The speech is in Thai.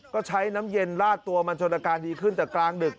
ก็ใช้น้ำเย็นลาดตัวมันจนอาการดีขึ้นแต่กลางดึก